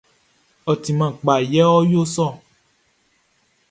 Ɔ timan kpa ti yɛ ɔ yo sɔ ɔ.